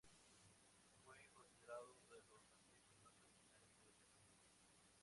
Fue considerado uno de los artistas más originales de su tiempo.